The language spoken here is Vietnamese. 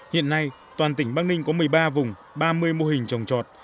hiện nay toàn tỉnh bắc ninh có một mươi ba vùng ba mươi mô hình trồng trọt